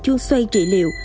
chuông xoay trị liệu